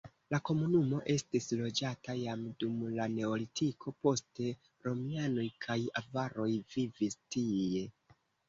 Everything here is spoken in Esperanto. La komunumo estis loĝata jam dum la neolitiko, poste romianoj kaj avaroj vivis tie.